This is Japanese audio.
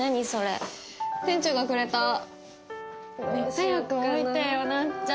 早く置いてよなっちゃん！